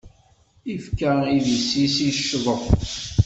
Ifka idis-is, i ccḍef.